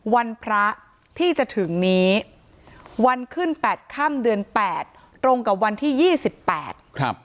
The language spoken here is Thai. วันพระที่จะถึงนี้วันขึ้นแปดค่ำเดือนแปดตรงกับวันที่ยี่สิบแปดครับ